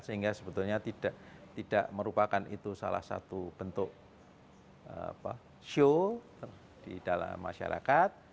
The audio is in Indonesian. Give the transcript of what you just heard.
sehingga sebetulnya tidak merupakan itu salah satu bentuk show di dalam masyarakat